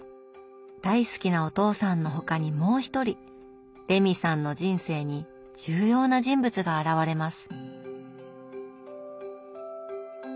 大好きなお父さんの他にもう一人レミさんの人生に重要な人物が現れます。